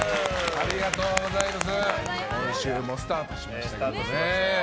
ありがとうございます！